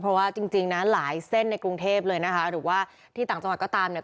เพราะว่าจริงนะหลายเส้นในกรุงเทพเลยนะคะหรือว่าที่ต่างจังหวัดก็ตามเนี่ย